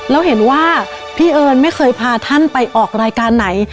แล้วเห็นว่าพี่เอิญไม่เคยพาท่านไปออกรายการไหน